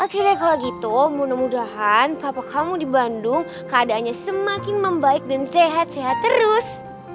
akhirnya kalau gitu mudah mudahan papa kamu di bandung keadaannya semakin membaik dan sehat sehat terus